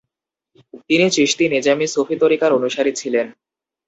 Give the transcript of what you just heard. তিনি চিশতি নেজামী সুফি ত্বরিকার অনুসারী ছিলেন।